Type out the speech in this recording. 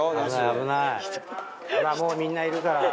「ほらもうみんないるから」